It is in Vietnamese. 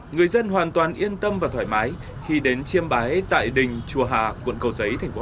người dân hoàn toàn yên tâm và thoải mái khi đến chiêm bái tại đình chùa hà quận cầu giêng